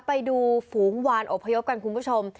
ไปดูฝูงวานอพยพกันคุณผู้ชม